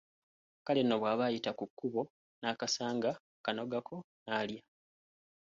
Kale nno bw’aba ayita ku kkubo n’akasanga, akanogako n’alya.